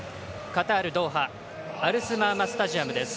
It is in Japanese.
カタール・ドーハアルスマーマスタジアムです。